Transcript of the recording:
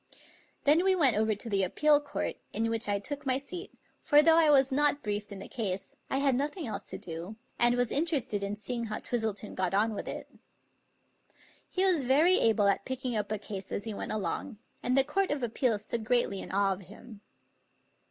Then we went over to the Appeal Court, in which I took my seat; for though I was not briefed in the case, I had noth ing else to do, and was interested in seeing how Twistleton got on with it. He was very able at picking up a case as he went along, and the Court of Appeals stood greatly in awe of him.